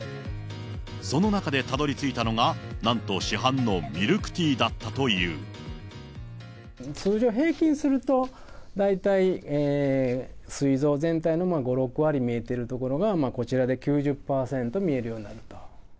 その中でたどりついたのが、なんと市販のミルクティーだったとい通常、平均すると、大体すい臓全体の５、６割見えているところが、こちらで９０％見えるようになると。